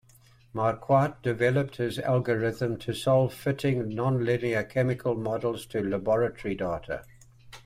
Marquardt developed his algorithm to solve fitting nonlinear chemical models to laboratory data.